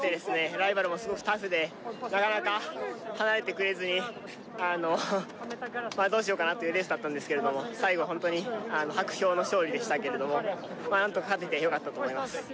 ライバルもすごくタフでなかなか離れてくれずにあのまあどうしようかなというレースだったんですけれども最後ホントに薄氷の勝利でしたけれども何とか勝ててよかったと思います